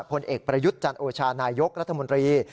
ผลเอกประยุทธ์จันโอชานายกรัฐมนตรี